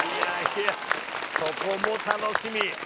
ここも楽しみ。